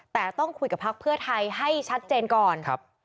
แต่ต้องคุยกับพักเพื่อไทยให้ชัดเจนก่อน